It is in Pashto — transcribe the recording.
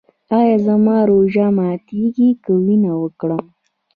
ایا زما روژه ماتیږي که وینه ورکړم؟